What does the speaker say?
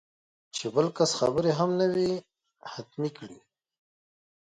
چې بل کس خبرې هم نه وي ختمې کړې